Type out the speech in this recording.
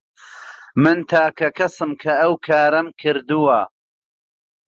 من تاکە کەسم کە ئەو کارەم کردووە.